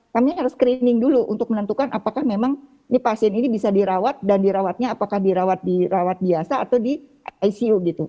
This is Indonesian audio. kami harus screening dulu untuk menentukan apakah memang pasien ini bisa dirawat dan dirawatnya apakah dirawat dirawat biasa atau di icu gitu